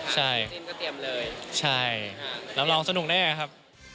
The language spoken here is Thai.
ใช่ใช่ลำรองสนุกแน่ครับ